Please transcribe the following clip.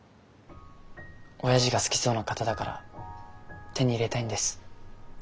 おやじが好きそうな型だから手に入れたいんです。